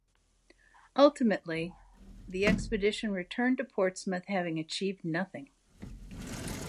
Ultimately the expedition returned to Portsmouth having achieved nothing.